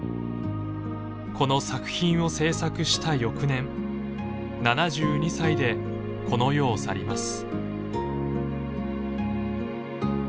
この作品を制作した翌年７２歳でこの世を去ります。